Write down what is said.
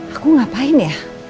aku ngapain ya